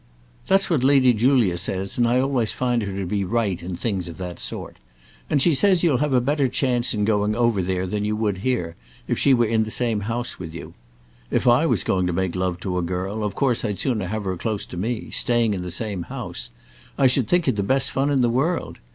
"That's what Lady Julia says, and I always find her to be right in things of that sort. And she says you'll have a better chance in going over there than you would here, if she were in the same house with you. If I was going to make love to a girl, of course I'd sooner have her close to me, staying in the same house. I should think it the best fun in the world.